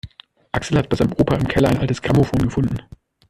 Axel hat bei seinem Opa im Keller ein altes Grammophon gefunden.